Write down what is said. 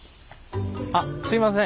あっすいません。